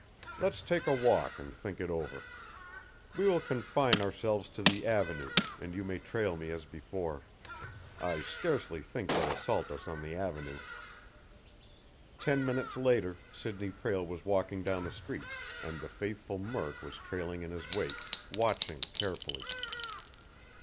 Let's take a walk and think it over. We will confine ourselves to the Avenue, and you may trail me as before. I scarcely think they'll assault us on the Avenue." Ten minutes later, Sidney Prale was walking down the street, and the faithful Murk was trailing in his wake, watching carefully.